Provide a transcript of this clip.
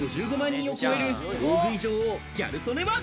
人を超える大食い女王ギャル曽根は。